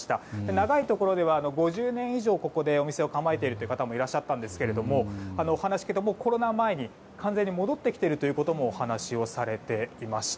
長いところでは５０年以上お店を構えている方もいらっしゃったんですがお話を聞くとコロナ前に完全に戻ってきているとお話をされていました。